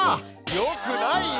よくないよ！